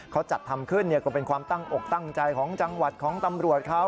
เขาจัดทำขึ้นก็เป็นความตั้งอกตั้งใจของจังหวัดของตำรวจเขา